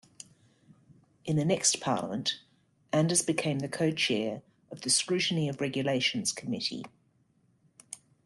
In the next parliament Anders became the co-chair of the Scrutiny of Regulations Committee.